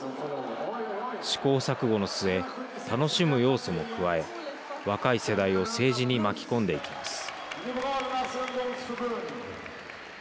試行錯誤の末楽しむ要素も加え若い世代を政治に巻き込んでいきます。